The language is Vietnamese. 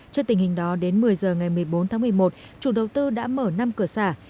trước tình hình đó đến một mươi giờ ngày một mươi bốn tháng một mươi một chủ đầu tư đã mở năm cửa xã